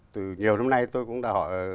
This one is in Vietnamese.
từ nhiều năm nay tôi cũng đã